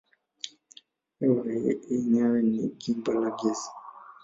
Hewa yenyewe ni gimba la gesi.